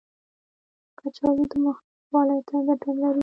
کچالو د مخ نرموالي ته ګټه لري.